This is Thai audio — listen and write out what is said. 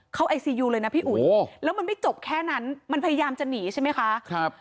ไอซียูเลยนะพี่อุ๋ยแล้วมันไม่จบแค่นั้นมันพยายามจะหนีใช่ไหมคะครับ